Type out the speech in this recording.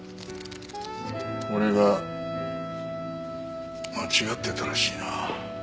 俺が間違ってたらしいな。